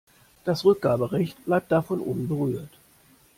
Das Rückgaberecht bleibt davon unberührt.